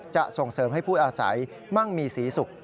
จะส่งเสริมให้ผู้อาศัยมั่งมีศรีสุข